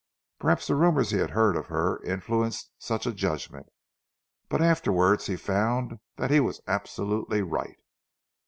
Perhaps the rumours he had heard of her influenced such a judgment; but afterwards he found that he was absolutely right.